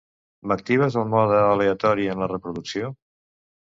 M'actives el mode aleatori en la reproducció?